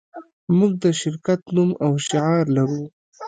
موږ د شرکت نوم او شعار لرو